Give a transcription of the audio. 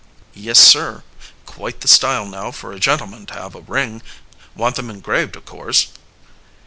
"Yes, sir quite the style now for a gentleman to have a ring. Want them engraved, of course."